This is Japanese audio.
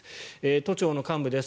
都庁の幹部です。